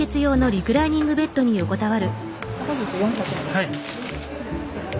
はい。